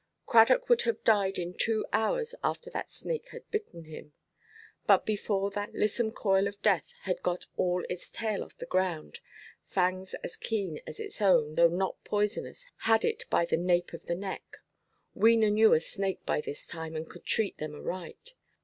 Cradock would have died in two hours after that snake had bitten him. But before that lissom coil of death had got all its tail off the ground, fangs as keen as its own, though not poisonous, had it by the nape of the neck. Wena knew a snake by this time, and could treat them aright.